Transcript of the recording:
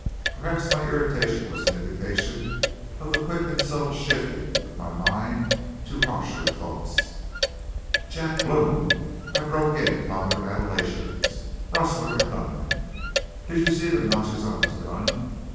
Perhaps my irritation was an indication of the quick and subtle shifting of my mind to harsher thought. "Jack Blome!" I broke in upon their adulations. "Rustler and gunman. Did you see the notches on his gun?